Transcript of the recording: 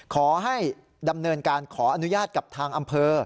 ขอให้ดำเนินการขออนุญาตกับทางอำเภอ